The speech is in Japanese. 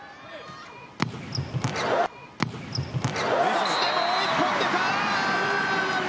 そして、もう１本、出た。